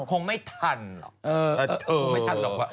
คงไม่ทันหรอก